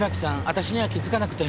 私には気づかなくて。